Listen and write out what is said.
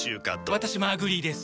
私もアグリーです。